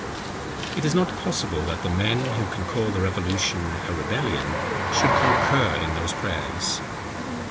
It is not possible that the men, who can call the revolution a rebellion, should concur in those prayers.